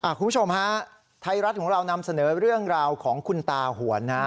คุณผู้ชมฮะไทยรัฐของเรานำเสนอเรื่องราวของคุณตาหวนนะ